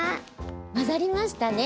まざりましたね。